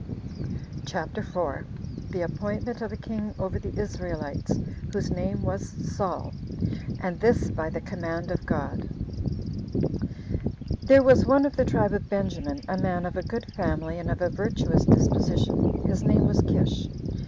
CHAPTER 4. The Appointment Of A King Over The Israelites, Whose Name Was Saul; And This By The Command Of God. 1. Ther was one of the tribe of Benjamin, a man of a good family, and of a virtuous disposition; his name was Kish.